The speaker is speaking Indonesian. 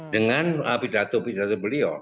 dengan pidato pidato beliau